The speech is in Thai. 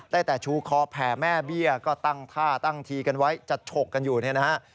ได้แต่ชูคอแผ่แม่เบี้ยก็ตั้งท่าตั้งทีกันไว้จัดฉกกันอยู่เนี่ยนะฮะ